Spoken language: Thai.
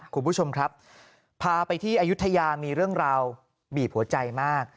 คุณผู้ชมครับพาไปที่อายุทยามีเรื่องราวบีบหัวใจมาก